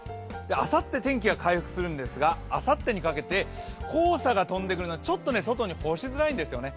あさって天気が回復するんですが、あさってにかけて黄砂が飛んでくるのでちょっと外に干しづらいんですよね。